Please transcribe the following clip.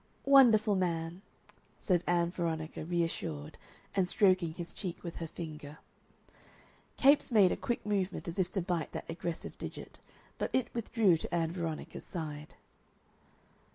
"Wonderful man!" said Ann Veronica, reassured, and stroking his cheek with her finger. Capes made a quick movement as if to bite that aggressive digit, but it withdrew to Ann Veronica's side.